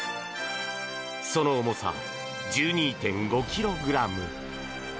その重さ１２．５ｋｇ！